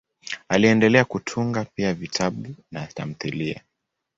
Aliendelea kutunga pia vitabu na tamthiliya.